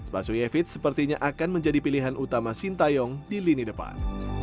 basuyevid sepertinya akan menjadi pilihan utama sintayong di lini depan